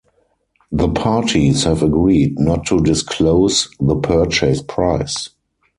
The parties have agreed not to disclose the purchase price.